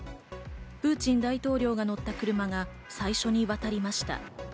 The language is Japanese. プーチン大統領が乗った車が最初に渡りました。